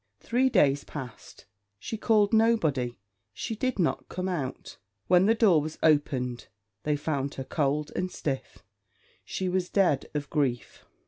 Three days passed; she called nobody, she did not come out. When the door was opened, they found her cold and stiff; she was dead of grief.